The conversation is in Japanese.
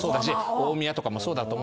大宮とかもそうだと思うんです。